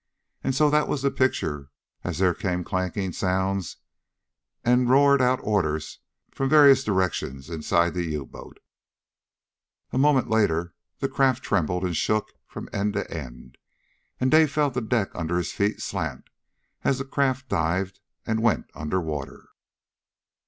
And so that was the picture as there came clanking sounds and roared out orders from various directions inside the U boat. A moment later the craft trembled and shook from end to end. And Dave felt the deck under his feet slant as the craft dived and went under water.